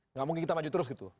nggak mungkin kita maju terus gitu